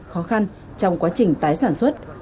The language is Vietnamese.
khó khăn trong quá trình tái sản xuất